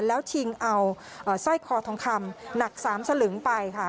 แล้วชิงเอาสร้อยคอทองคำหนัก๓สลึงไปค่ะ